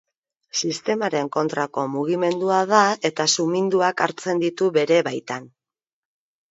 Sistemaren kontrako mugimendua da eta suminduak hartzen ditu bere baitan.